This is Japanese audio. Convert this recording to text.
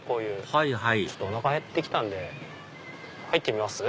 はいはいおなかへって来たんで入ってみます？